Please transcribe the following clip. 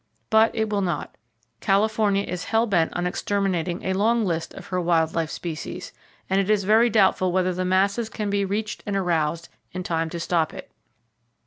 But it will not. California is hell bent on exterminating a long list of her wild life species, and it is very doubtful whether the masses can be reached and aroused in time to stop it.